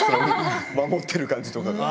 守ってる感じとかが。